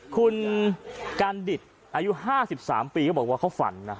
คุณการดิตอายุ๕๓ปีเขาบอกว่าเขาฝันนะ